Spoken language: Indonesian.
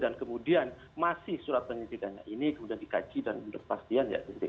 dan kemudian masih surat penyelidikannya ini sudah dikaji dan sudah dipastikan ya